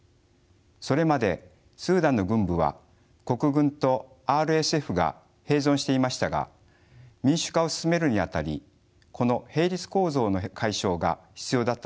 それまでスーダンの軍部は国軍とＲＳＦが併存していましたが民主化を進めるにあたりこの並立構造の解消が必要だったのです。